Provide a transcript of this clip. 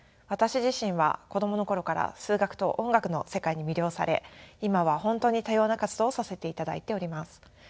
私自身は子供の頃から数学と音楽の世界に魅了され今は本当に多様な活動をさせていただいております。